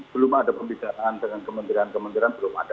belum ada pembicaraan dengan kementerian kementerian belum ada